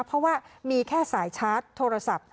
เพราะว่ามีแค่สายชาร์จโทรศัพท์